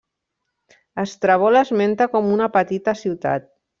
Estrabó l'esmenta com una petita ciutat.